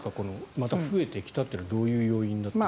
また増えてきたというのはどういう要因だと？